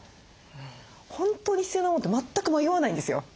本当に必要なモノって全く迷わないんですよ。